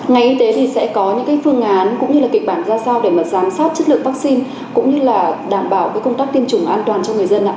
ngành y tế thì sẽ có những phương án cũng như là kịch bản ra sao để mà giám sát chất lượng vaccine cũng như là đảm bảo công tác tiêm chủng an toàn cho người dân ạ